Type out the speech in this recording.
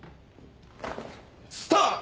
スタート！